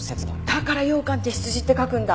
だから羊羹って羊って書くんだ。